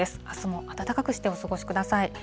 あすも暖かくしてお過ごしください。